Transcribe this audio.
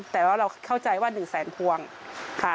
แต่ว่าเราเข้าใจว่า๑แสนพวงค่ะ